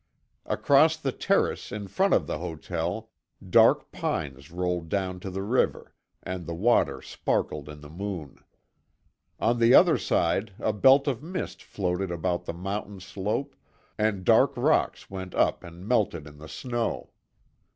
Across the terrace in front of the hotel, dark pines rolled down to the river, and the water sparkled in the moon. On the other side a belt of mist floated about the mountain slope and dark rocks went up and melted in the snow.